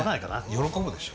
喜ぶでしょ。